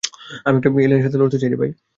আমি একটা এলিয়েনের সাথে লড়তে চাই।